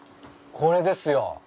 これですよ。